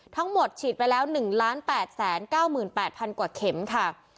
ทั้งหมดฉีดไปแล้ว๑๘๙๘๐๐กว่าเข็มค่ะ